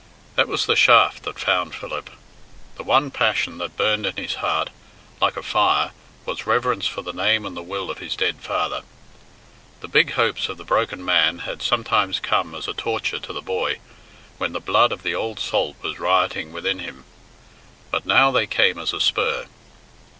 That was the shaft that found Philip. The one passion that burned in his heart like a fire was reverence for the name and the will of his dead father. The big hopes of the broken man had sometimes come as a torture to the boy when the blood of the old salt was rioting within him. But now they came as a spur.